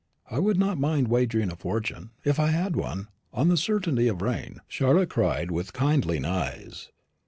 "I would not mind wagering a fortune if I had one on the certainty of rain," cried Charlotte with kindling eyes.